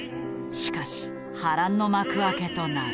しかし波乱の幕開けとなる。